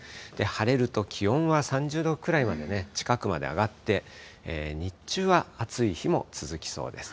晴れると気温は３０度近くまで上がって、日中は暑い日も続きそうです。